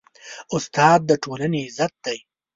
استاد د ټولنې عزت دی.